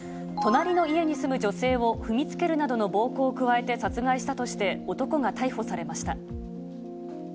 隣の家に住む女性を踏みつけるなどの暴行を加えて殺害したとして、男が逮捕されました。